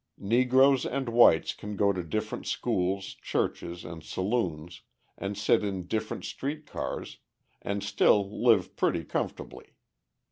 Negroes and whites can go to different schools, churches, and saloons, and sit in different street cars, and still live pretty comfortably.